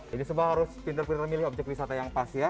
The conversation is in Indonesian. jadi semua harus pintar pintar milih objek wisata yang pas ya